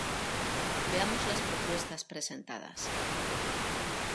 Veamos las propuestas presentadas.